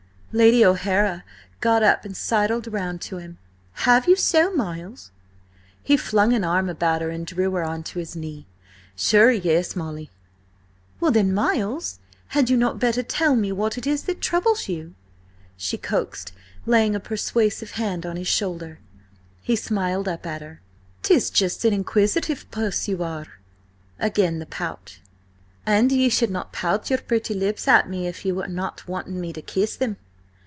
Lady O'Hara got up and sidled round to him. "Have you so, Miles?" He flung an arm about her and drew her on to his knee. "Sure, yes, Molly." "Well then, Miles, had you not better tell me what it is that troubles you?" she coaxed, laying a persuasive hand on his shoulder. He smiled up at her. "'Tis just an inquisitive puss you are!" Again the pout. "And ye should not pout your pretty lips at me if ye are not wanting me to kiss them!"